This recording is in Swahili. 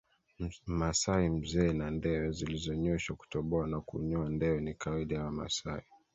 Mmasai mzee na ndewe zilizonyoshwa Kutoboa na kunyosha ndewe ni kawaida ya Wamasai